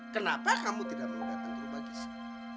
kenapa kamu tidak mau datang ke rumah gisi